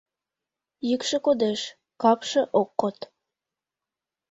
Йӱкшӧ кодеш, капше ок код.